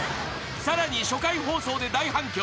［さらに初回放送で大反響］